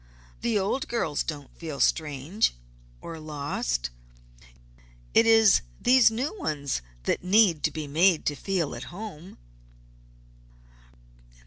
The old girls don't feel strange, or lost; it is these new ones that need to be made to feel at home."